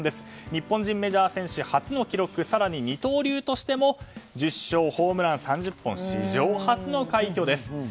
日本人メジャー選手初の記録更に二刀流としても１０勝、ホームラン３０本史上初の快挙です。